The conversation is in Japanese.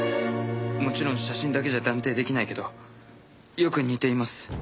もちろん写真だけじゃ断定出来ないけどよく似ています。